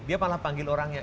dia malah panggil orangnya